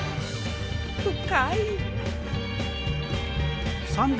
深い！